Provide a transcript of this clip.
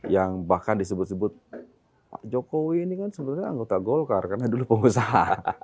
yang bahkan disebut sebut pak jokowi ini kan sebenarnya anggota golkar karena dulu pengusaha